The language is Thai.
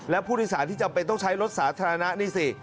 และผู้โดยสารที่จำเป็นต้องใช้รถสาธารณะนี่สิ